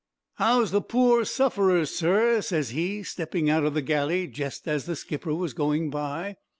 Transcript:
"'How's the pore sufferers, sir?" ses he, stepping out of the galley jest as the skipper was going by.